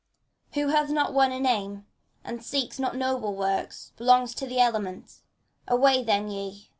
Who hath not won a name, and seeks not noble works. Belongs but to the elements : away then, ye